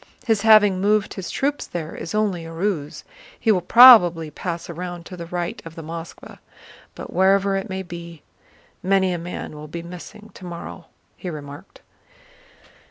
His having moved his troops there is only a ruse; he will probably pass round to the right of the Moskvá. But wherever it may be, many a man will be missing tomorrow!" he remarked.